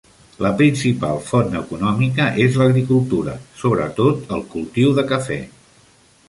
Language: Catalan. La principal font econòmica és l'agricultura, sobre tot el cultiu de cafè.